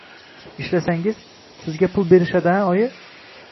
Ishlasangiz, sizga pul berishadi-a, oyi